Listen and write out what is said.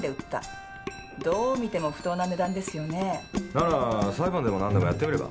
なら裁判でも何でもやってみれば？